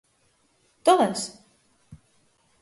Todas?